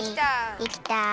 できた！